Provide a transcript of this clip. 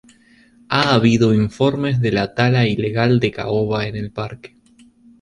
Ha habido informes de la tala ilegal de caoba en el parque.